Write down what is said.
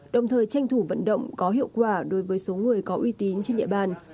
đồng thời tranh thủ vận động có hiệu quả đối với số người có uy tín trên địa bàn